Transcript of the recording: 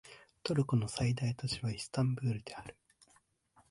トルコの最大都市はイスタンブールである